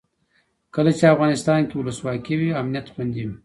کله چې افغانستان کې ولسواکي وي امنیت خوندي وي.